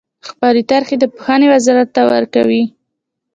خپلې طرحې د پوهنې وزارت ته ورکوي.